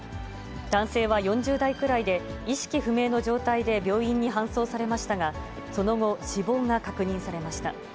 男性は４０代くらいで、意識不明の状態で病院に搬送されましたが、その後、死亡が確認されました。